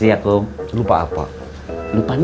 tinggal di kulkas